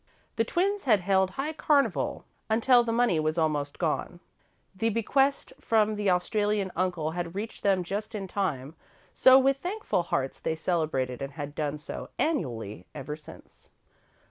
The twins had held high carnival until the money was almost gone. The bequest from the Australian uncle had reached them just in time, so, with thankful hearts, they celebrated and had done so annually ever since.